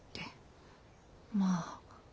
まあ。